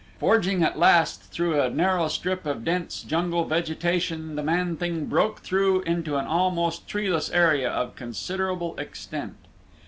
Forging at last through a narrow strip of dense jungle vegetation the man thing broke through into an almost treeless area of considerable extent.